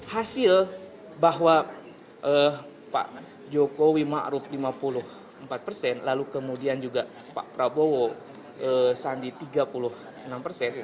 hasil bahwa pak jokowi ⁇ maruf ⁇ lima puluh empat persen lalu kemudian juga pak prabowo sandi tiga puluh enam persen